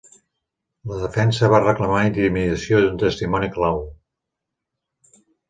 La defensa va reclamar intimidació d'un testimoni clau.